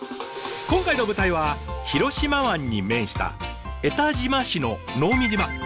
今回の舞台は広島湾に面した江田島市の能美島。